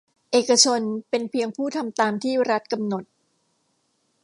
เอกชนเป็นเพียงผู้ทำตามที่รัฐกำหนด